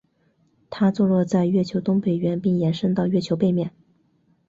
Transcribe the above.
它坐落在月球东北缘并延伸到月球背面。